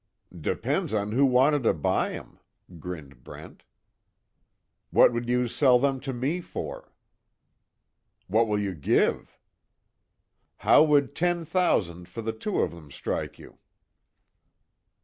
"Depends on who wanted to buy 'em," grinned Brent. "What will you sell them to me for?" "What will you give?" "How would ten thousand for the two of them strike you?"